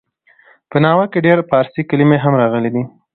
په ناول کې ډېر فارسي کلمې هم راغلې ډي.